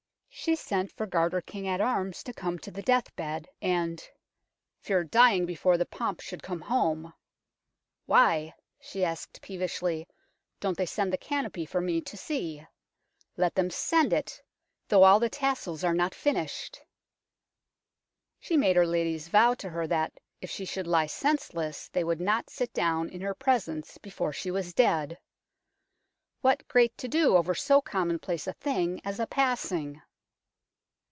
She sent for Garter King at Arns to come to the death bed, and " feared dying before the pomp should come home." " Why, 1 ' she asked peevishly, " don't they send the canopy for me to see ? Let them send it,, though all the tassels are not finished." She made her ladies vow to her that, if she should lie senseless, they would not sit down in her presence before she was dead. What great to do over so commonplace a thing as a passing